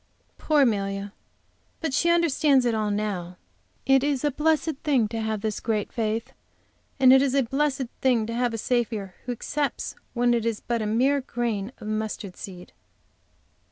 Poor Amelia! But she understands it all now. It is a blessed thing to have this great faith, and it is a blessed thing to have a Saviour who accepts it when it is but a mere grain of mustard seed!